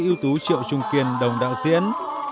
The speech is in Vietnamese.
ưu tú triệu trung kiên đồng đạo diễn